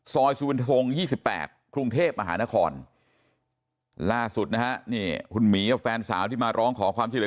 ซอยสุวินทรง๒๘ครุงเทพฯอาหารคลล่าสุดนะคุณหมีกับแฟนสาวที่มาร้องขอความที่เลย